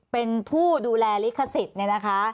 เป็นผู้ดูแลริขสิทธิ์